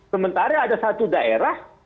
sementara ada satu daerah